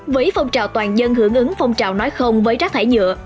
với phong trào toàn dân hưởng ứng phong trào nói không với rác thải nhựa